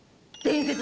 「伝説！」